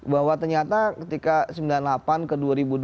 bahwa ternyata ketika seribu sembilan ratus sembilan puluh delapan ke dua ribu dua